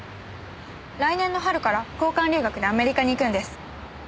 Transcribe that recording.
来年の春から交換留学でアメリカに行くんです。